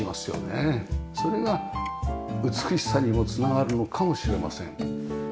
それが美しさにもつながるのかもしれません。